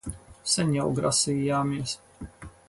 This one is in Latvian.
Sen jau grasījāmies...